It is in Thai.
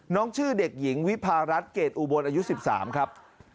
ชื่อเด็กหญิงวิพารัฐเกรดอุบลอายุ๑๓ครับ